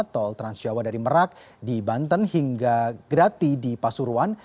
tol transjawa dari merak di banten hingga grati di pasuruan